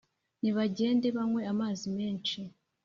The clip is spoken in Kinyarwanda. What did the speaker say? nibagende banywe amazi menshi,